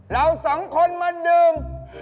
เราสองคนมาดื่ม